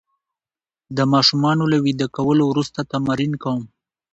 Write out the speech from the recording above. د ماشومانو له ویده کولو وروسته تمرین کوم.